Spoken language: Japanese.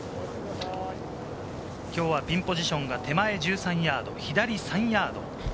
きょうはピンポジションが手前１３ヤード、左３ヤード。